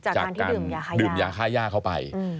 จากการดื่มยาค่าย่าเข้าไป